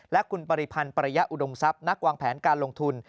และคุณปริพันธ์ปริยะอุดมทรัพย์นักวางแผนการลงทุน